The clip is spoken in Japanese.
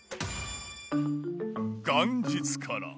元日から。